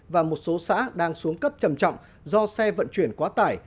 và một số xã đang xuống cấp trầm trọng do xe vận chuyển quá tải